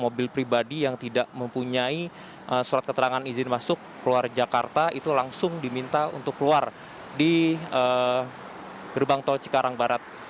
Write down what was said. mobil pribadi yang tidak mempunyai surat keterangan izin masuk keluar jakarta itu langsung diminta untuk keluar di gerbang tol cikarang barat